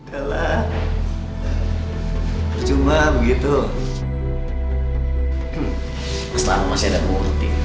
heran deh apa yang bagusnya sih murti